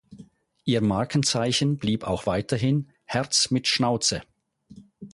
Ihr Markenzeichen blieb auch weiterhin: Herz mit Schnauze.